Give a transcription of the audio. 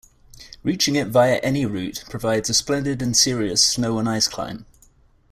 Reaching it via any route provides a "splendid and serious snow and ice climb".